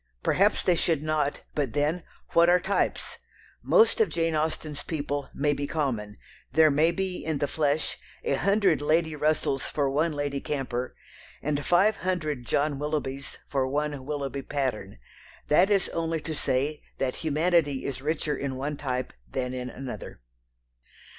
Perhaps they should not, but then, what are types? Most of Jane Austen's people may be common; there may be, in the flesh, a hundred Lady Russells for one Lady Camper, and five hundred John Willoughbys for one Willoughby Patterne. That is only to say that humanity is richer in one type than in another.